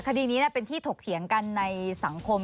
คดีนี้เป็นที่ถกเถียงกันในสังคม